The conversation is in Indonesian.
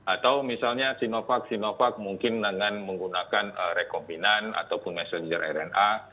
atau misalnya sinovac sinovac mungkin dengan menggunakan rekombinan ataupun messenger rna